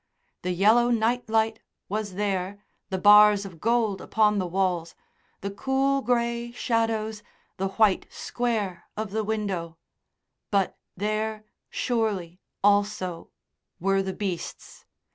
The yellow night light was there, the bars of gold upon the walls, the cool, grey shadows, the white square of the window; but there, surely, also, were the beasts.